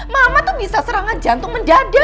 mama tuh bisa serangan jantung mendadak